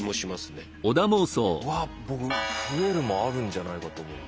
うわ僕増えるもあるんじゃないかと思う。